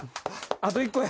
あと１個や。